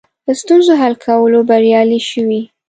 ستونزو حل کولو بریالي شوي.